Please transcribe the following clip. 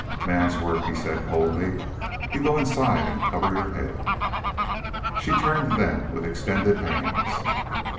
"Man's work," he said coldly. "You go inside and cover your head." She turned to them with extended hands.